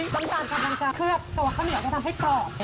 น้ำตาลกำลังจะเคลือบตัวข้าวเหนียวจะทำให้กรอบ